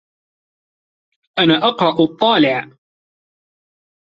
أنا أقرأ الطّالع.